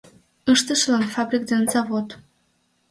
Ыштышылан Фабрик ден завод